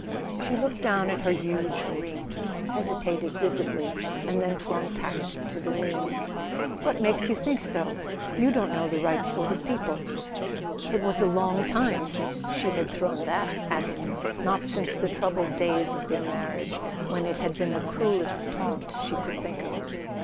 She looked down at her huge rings, hesitated visibly, and then flung tact to the winds. "What makes you think so ? You don't know the right sort of people." It was a long time since she had thrown that at him: not since the troubled days of their marriage, when it had been the cruellest taunt she could think of.